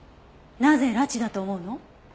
なぜ拉致だと思うの？